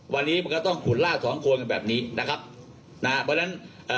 วันนี้มันก็ต้องขุดล่าสองคนกันแบบนี้นะครับนะฮะเพราะฉะนั้นเอ่อ